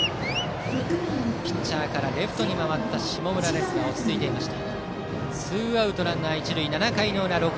ピッチャーからレフトに回った下村落ち着いていました。